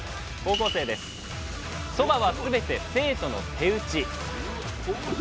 そばは全て生徒の手打ち。